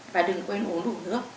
và đừng quên uống đủ nước